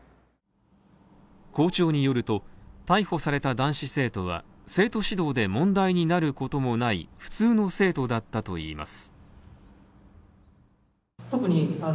校長によると、逮捕された男子生徒は生徒指導で問題になることもない普通の生徒だったといいます。